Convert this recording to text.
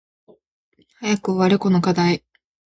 早く終われこの課題